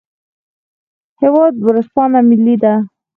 هیواد ورځپاڼه ملي ده